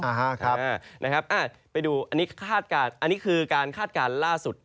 อันนี้ไปดูอันนี้คาดการณ์อันนี้คือการคาดการณ์ล่าสุด